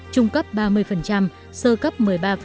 trung cấp ba mươi sơ cấp một mươi ba